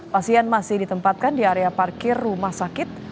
pasien masih ditempatkan di area parkir rumah sakit